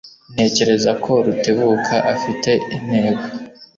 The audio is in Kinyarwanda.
Ntekereza ko Rutebuka afite intego.